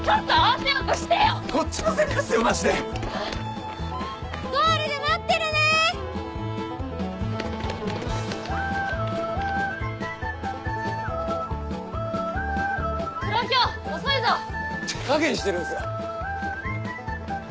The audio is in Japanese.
手加減してるんすよ！